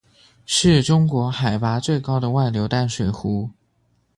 是中国海拔最高的外流淡水湖。